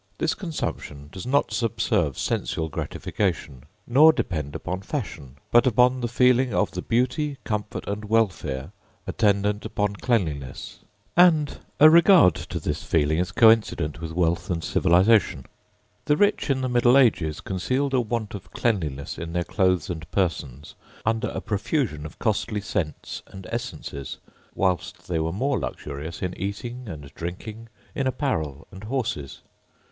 This consumption does not subserve sensual gratification, nor depend upon fashion, but upon the feeling of the beauty, comfort, and welfare, attendant upon cleanliness; and a regard to this feeling is coincident with wealth and civilisation. The rich in the middle ages concealed a want of cleanliness in their clothes and persons under a profusion of costly scents and essences, whilst they were more luxurious in eating and drinking, in apparel and horses.